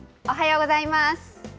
おはようございます。